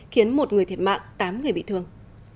khiến một người thiệt mạng tám người bị thương